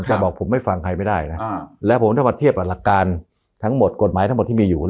จะบอกผมไม่ฟังใครไม่ได้นะแล้วผมจะมาเทียบกับหลักการทั้งหมดกฎหมายทั้งหมดที่มีอยู่